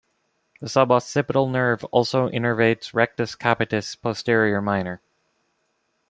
The suboccipital nerve also innervates rectus capitis posterior minor.